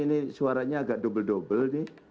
ini suaranya agak dobel dobel nih